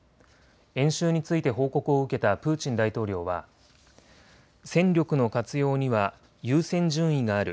演習について報告を受けたプーチン大統領は戦力の活用には優先順位がある。